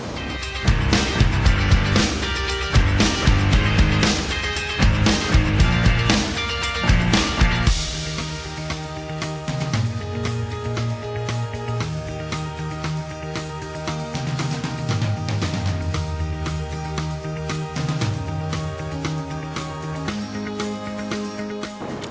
คุณพ่อ